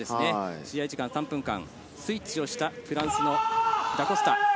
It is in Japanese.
試合時間は３分間スイッチをした、フランスのダ・コスタ。